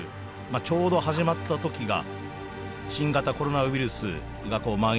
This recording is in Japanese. ちょうど始まった時が新型コロナウイルスがまん延。